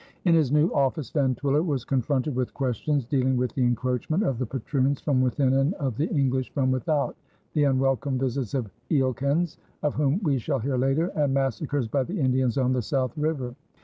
" In his new office Van Twiller was confronted with questions dealing with the encroachment of the patroons from within and of the English from without, the unwelcome visit of Eelkens, of whom we shall hear later, and massacres by the Indians on the South River.